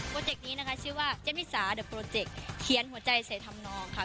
เจกต์นี้นะคะชื่อว่าเจนิสาเดอร์โปรเจกต์เขียนหัวใจใส่ทำนองค่ะ